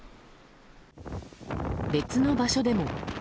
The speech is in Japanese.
別の場所でも。